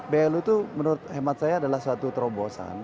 blu itu menurut hemat saya adalah suatu terobosan